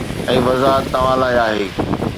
۽ وضاحت توهان لاءِ آهي